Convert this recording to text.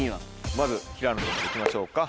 まず平野君行きましょうか。